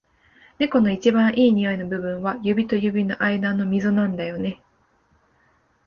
猫の一番いい匂いの部位は、指と指の間のみぞなんだよね。